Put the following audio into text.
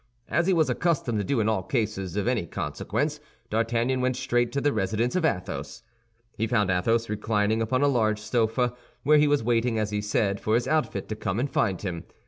As he was accustomed to do in all cases of any consequence, D'Artagnan went straight to the residence of Athos. He found Athos reclining upon a large sofa, where he was waiting, as he said, for his outfit to come and find him.